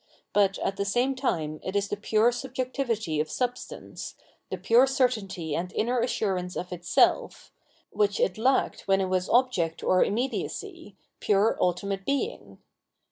But at the same time it is the pure subjectivity of Substance, the pure certainty and inner assurance of itself, which it lacked when it was object or immediacy, pure ultimate 796 Phenomenology of Mind Being.